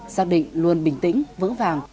xác định luôn bình tĩnh vững vàng